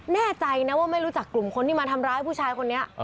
แน่ใจนะว่าไม่รู้จักกลุ่มคนที่มาทำร้ายผู้ชายคนนี้